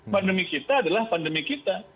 pandemi kita adalah pandemi kita